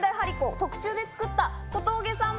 特注で作った小峠さん